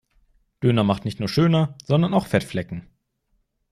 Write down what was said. Döner macht nicht nur schöner sondern auch Fettflecken.